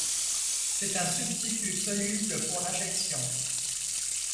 C'est un substitut soluble pour l'injection.